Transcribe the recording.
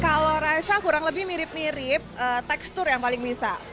kalau rasa kurang lebih mirip mirip tekstur yang paling bisa